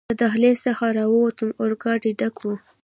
له دهلېز څخه راووتو، اورګاډی ډک و.